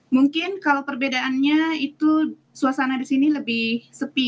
mungkin kalau perbedaannya itu suasana di sini lebih sepi